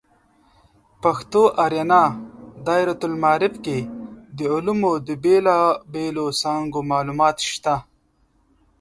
پښتو آریانا دایرة المعارف کې د علومو د بیلابیلو څانګو معلومات شته.